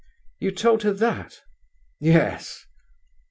"You told her that?" "Yes."